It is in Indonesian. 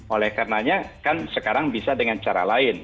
oleh karenanya kan sekarang bisa dengan cara lain